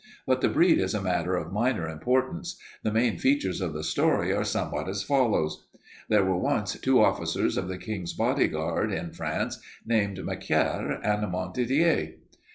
But the breed is a matter of minor importance. The main features of the story are somewhat as follows: "There were once two officers of the King's bodyguard in France named Macaire and Montdidier.